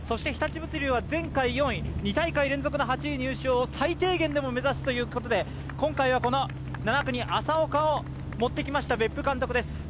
日立物流は前回４位、２大会連続の８位入賞最低限でも目指すということで、今回は７区に浅岡を持ってきました、別府監督です。